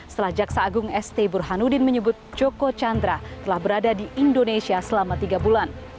setelah jaksa agung st burhanuddin menyebut joko chandra telah berada di indonesia selama tiga bulan